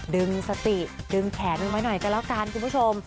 ดึงสติดึงแขนไว้หน่อยก็แล้วกันคุณผู้ชม